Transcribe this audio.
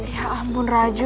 ya ampun raju